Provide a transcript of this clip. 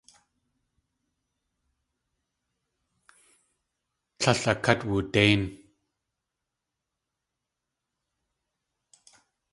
Tlél a kát woodéin.